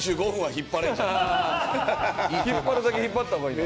引っ張るだけ引っ張った方がいいな。